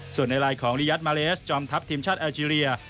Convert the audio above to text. ส่วนในไลน์ของลียัดมาเลสจอมทัพทีมชาติแอลเจรีย